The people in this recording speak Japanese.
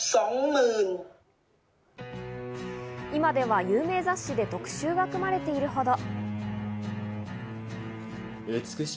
今では有名雑誌で特集が組まれているほど。